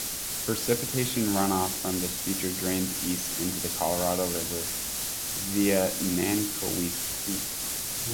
Precipitation runoff from this feature drains east into the Colorado River via Nankoweap Creek.